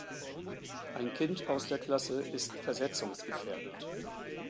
Ein Kind aus der Klasse ist versetzungsgefährdet.